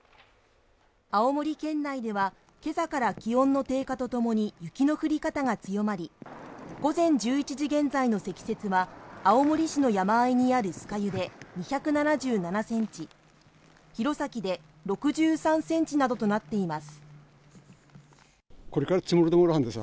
青森県内ではけさから気温の低下とともに雪の降り方が強まり午前１１時現在の積雪は青森市の山あいにある酸ヶ湯で２７７センチ弘前で６３センチなどとなっています